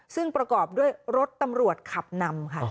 ซึ่งประกอบด้วยรถตำรวจขับนำค่ะ